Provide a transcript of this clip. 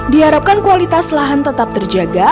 diharapkan kualitas lahan tetap terjaga